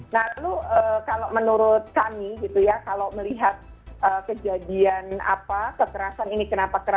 lalu kalau menurut kami gitu ya kalau melihat kejadian apa kekerasan ini kenapa